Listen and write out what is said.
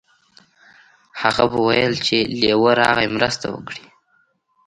هغه به ویل چې لیوه راغی مرسته وکړئ.